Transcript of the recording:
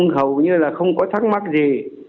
hầu như là không có thắc mắc gì